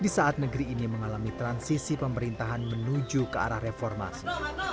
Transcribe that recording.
di saat negeri ini mengalami transisi pemerintahan menuju ke arah reformasi